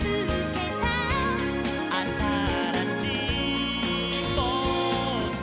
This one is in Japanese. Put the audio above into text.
「あたらしいぼく」